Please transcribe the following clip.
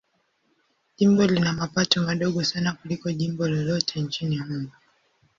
Jimbo lina mapato madogo sana kuliko jimbo lolote nchini humo.